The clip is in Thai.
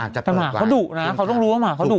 อาจจะเปิดกว่าแต่หมาเขาดุนะเขาต้องรู้ว่าหมาเขาดุ